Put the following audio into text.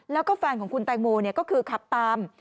แล้วก็แฟนของคุณแตงโมก็คือขับตาม